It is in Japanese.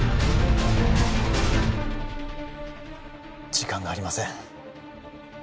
時間がありません